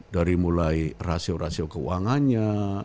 dari mulai rasio rasio keuangannya